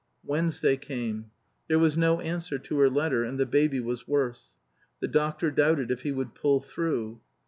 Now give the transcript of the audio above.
Wednesday came. There was no answer to her letter; and the baby was worse. The doctor doubted if he would pull through.